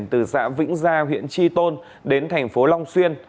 từ xã vĩnh gia huyện tri tôn đến thành phố long xuyên